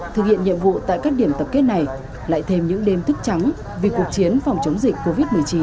thực hiện nhiệm vụ tại các điểm tập kết này lại thêm những đêm thức trắng vì cuộc chiến phòng chống dịch covid một mươi chín